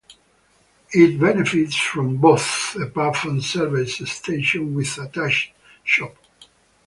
It benefits from both a pub and service station with attached shop.